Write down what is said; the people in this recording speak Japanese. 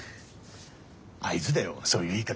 あいづだよそういう言い方。